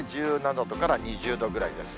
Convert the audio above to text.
１７度から２０度ぐらいです。